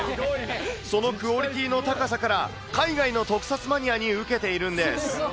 そのクオリティーの高さから、海外の特撮マニアに受けているんです。